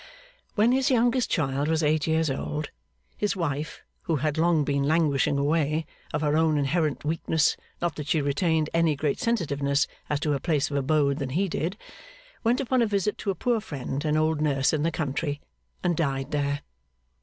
When his youngest child was eight years old, his wife, who had long been languishing away of her own inherent weakness, not that she retained any greater sensitiveness as to her place of abode than he did went upon a visit to a poor friend and old nurse in the country, and died there.